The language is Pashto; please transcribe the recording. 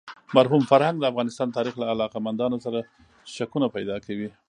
مرحوم فرهنګ د افغانستان د تاریخ له علاقه مندانو سره شکونه پیدا کوي.